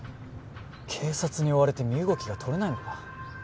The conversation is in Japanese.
警察に追われて身動きが取れないのか？